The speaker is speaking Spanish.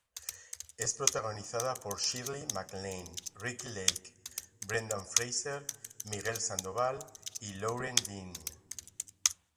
Es protagonizada por Shirley MacLaine, Ricki Lake, Brendan Fraser, Miguel Sandoval y Loren Dean.